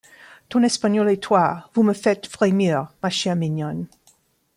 Ton Espagnol et toi, vous me faites frémir, ma chère mignonne.